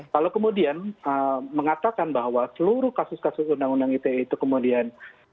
kalau kemudian mengatakan bahwa seluruh kasus kasus undang undang ite itu kemudian